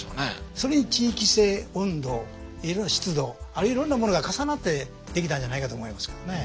それに地域性温度湿度いろんなものが重なって出来たんじゃないかと思いますけどね。